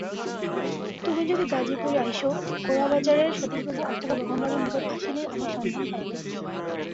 তুমি যদি গাজীপুরে আইস, গোরাবাজারের সতীশবাবু অথবা গগনবাবুর নিকট আসিলেই আমার সন্ধান পাইবে।